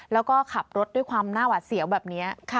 แล้วก็ขับรถด้วยความหน้าหวัดเสียวแบบนี้